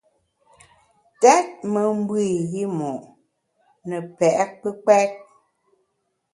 Tèt me mbe i yimo’ ne pe’ kpùkpèt.